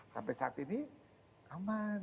sampai saat ini aman